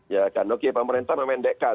ya kan oke pemerintah memendekkan